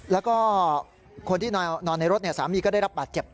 แล้วก็คนที่นอนในรถสามีก็ได้รับบาดเจ็บ